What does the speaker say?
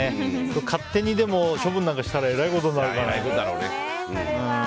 勝手に処分なんかしたらえらいことになるからね。